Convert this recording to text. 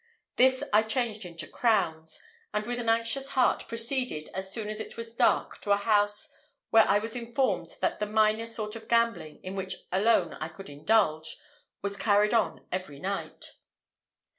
This I changed into crowns, and with an anxious heart proceeded as soon as it was dark to a house, where I was informed that the minor sort of gambling, in which alone I could indulge, was carried on every night.